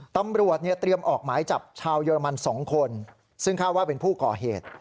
ตำรวจเตรียมออกหมายจับชาวเยอรมัน๒คนซึ่งคาดว่าเป็นผู้ก่อเหตุ